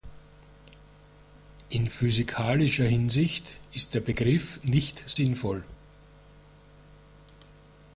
In physikalischer Hinsicht ist der Begriff nicht sinnvoll.